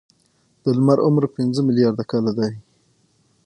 د لمر عمر پنځه ملیارده کاله دی.